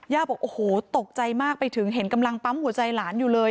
บอกโอ้โหตกใจมากไปถึงเห็นกำลังปั๊มหัวใจหลานอยู่เลย